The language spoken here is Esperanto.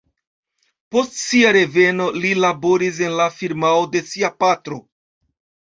Post sia reveno li laboris en la firmao de sia patro.